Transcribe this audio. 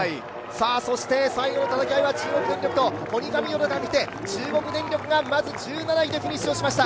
そして最後のたたき合いは中国電力とコニカミノルタが来て中国電力がまず１７位でフィニッシュしました。